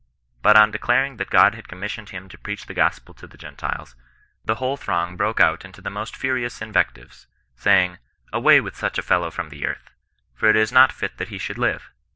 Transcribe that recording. But on declaring that God had commissioned him to preach the gospel to the Gentiles, the whole throng broKe out into the most furious invectives, saying, " Away with such a fellow from the earth ; for it is not fit that he should live.